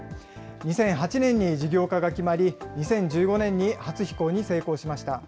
２００８年に事業化が決まり、２０１５年に初飛行に成功しました。